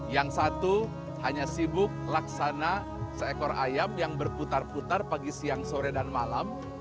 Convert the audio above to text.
yang satu hanya sibuk laksana seekor ayam yang berputar putar pagi siang sore dan malam